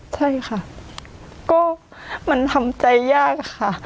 ใช่ค่ะก็มันทำใจยากค่ะ